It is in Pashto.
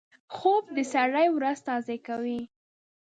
خوب د سړي ورځ تازه کوي